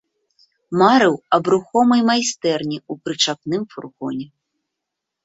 Марыў аб рухомай майстэрні ў прычапным фургоне.